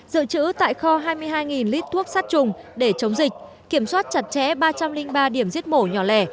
dự trữ tại kho hai mươi hai lít thuốc sát trùng để chống dịch kiểm soát chặt chẽ ba trăm linh ba điểm giết mổ nhỏ lẻ